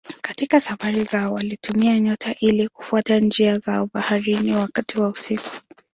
Katika safari zao walitumia nyota ili kufuata njia zao baharini wakati wa usiku.